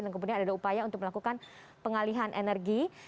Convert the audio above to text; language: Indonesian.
dan kemudian ada upaya untuk melakukan pengalihan energi